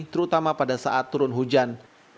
terutama pada saat turun hujan